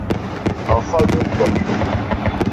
Ахаҳә ихәларшәуп!